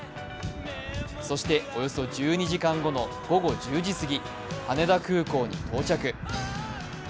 そして、およそ１２時間後の午後１０時過ぎ、羽田空港に到着。